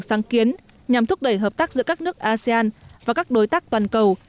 sáng kiến nhằm thúc đẩy hợp tác giữa các nước asean và các đối tác toàn cầu